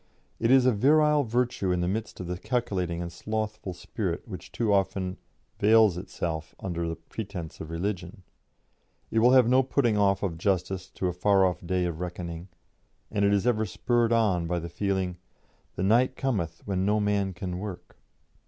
It is a virile virtue in the midst of the calculating and slothful spirit which too ofter veils itself under the pretence or religion. It will have no putting off of justice to a far off day of reckoning, and it is ever spurred on by the feeling, "The night cometh, when no man can work."